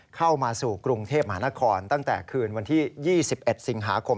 เข้ามาสู่กรุงเทพมหานครตั้งแต่คืนวันที่๒๑สิงหาคม